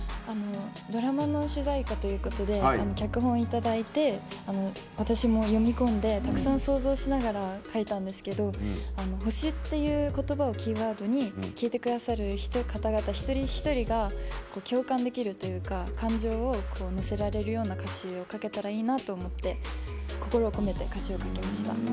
ドラマの主題歌ということで脚本をいただいて私も読み込んでたくさん想像しながら書いたんですけど星っていう言葉をキーワードに聴いてくださる人一人一人が共感できるというか感情を乗せられるような歌詞を書けたらいいなと思って心を込めて歌詞を書きました。